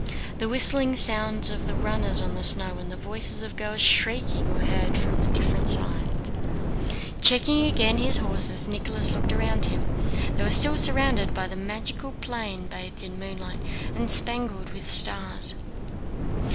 The whistling sound of the runners on the snow and the voices of girls shrieking were heard from different sides. Again checking his horses, Nicholas looked around him. They were still surrounded by the magic plain bathed in moonlight and spangled with stars.